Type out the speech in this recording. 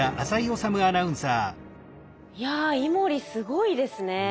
いやイモリすごいですね。